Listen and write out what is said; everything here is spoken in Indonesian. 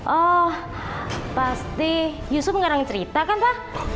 oh pasti yusuf nggak orang cerita kan pa